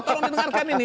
tolong dendengarkan ini